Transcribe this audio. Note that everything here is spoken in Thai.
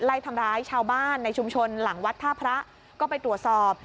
ไล่ทำร้ายชาวบ้านในชุมชนหลังวัดท่าพระก็ไปตรวจสอบ